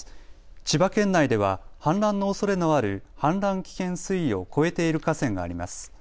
千葉県内では氾濫のおそれのある氾濫危険水位を超えている河川があります。